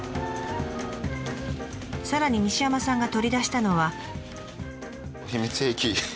さらに西山さんが取り出したのは。